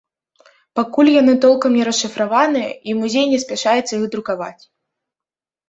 Пакуль яны толкам не расшыфраваныя, і музей не спяшаецца іх друкаваць.